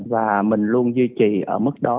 và mình luôn duy trì ở mức đó